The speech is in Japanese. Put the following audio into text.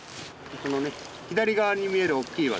このね左側に見えるおっきい岩